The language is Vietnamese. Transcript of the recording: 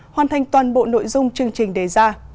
hoàn thành toàn bộ nội dung chương trình đề ra